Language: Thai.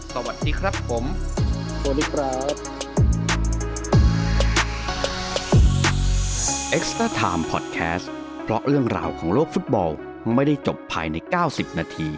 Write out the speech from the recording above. สวัสดีครับผมสวัสดีครับ